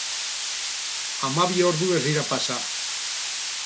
Hamabi ordu ez dira pasa.